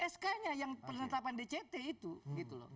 sk nya yang penetapan dct itu gitu loh